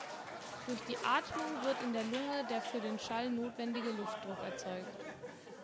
Durch die Atmung wird in der Lunge der für den Schall notwendige Luftdruck erzeugt.